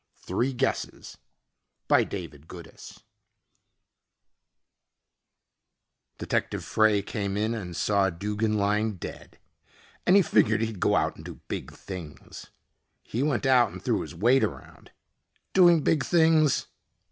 THREE GUESSES by DAVID GOODIS Detective Frey came in and saw Duggin lying dead, and he figured he'd go out and do big things. He went out and threw his weight around. Doing big things?